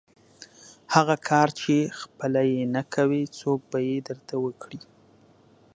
هغه کار چې خپله یې نه کوئ، څوک به یې درته وکړي؟